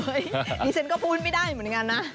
นี่ฉันก็พูดไม่ได้เหมือนกันนะ